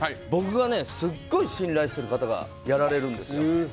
僕がすごく信頼している方がやられるんですよ。